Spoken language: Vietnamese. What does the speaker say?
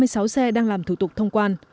hai mươi sáu xe đang làm thủ tục thông quan